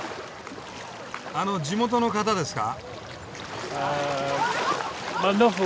あの地元の方ですか？